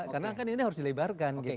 karena kan ini harus dilebarkan gitu